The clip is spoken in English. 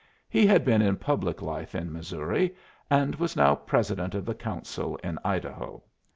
He had been in public life in Missouri, and was now President of the Council in Idaho.